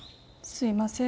すいません。